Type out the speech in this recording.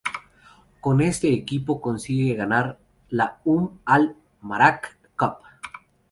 Con este equipo consigue ganar la Umm Al Ma’arak Cup.